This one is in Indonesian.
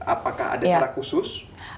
apakah ada cara khusus